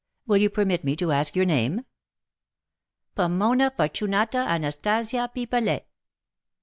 Will you permit me to ask your name?" "Pomona Fortunata Anastasia Pipelet."